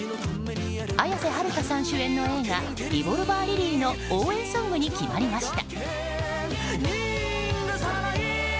綾瀬はるかさん主演の映画「リボルバー・リリー」の応援ソングに決まりました。